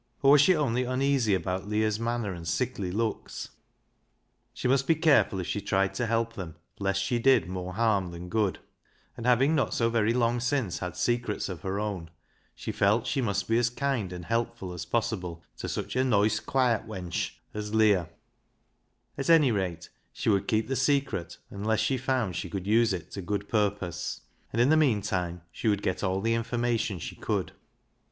Or was she only uneasy about Leah's manner and sickly looks ? She must be careful if she tried to help them lest she did more harm than good ; and having not so very long since had secrets of her owm, she felt she must be as kind and helpful as possible to such a " noice quiet wench " as Leah. At any LEAH'S LOVER 75 rate she would keep the secret, unless she found she could use it to good purpose, and in the meantime she would get all the information she could.